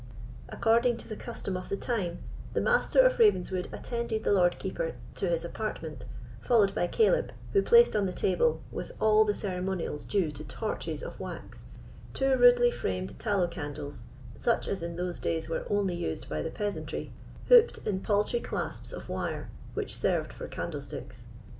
According to the custom of the time, the Master of Ravenswood attended the Lord Keeper to his apartment, followed by Caleb, who placed on the table, with all the ceremonials due to torches of wax, two rudely framed tallow candles, such as in those days were only used by the peasantry, hooped in paltry clasps of wire, which served for candlesticks.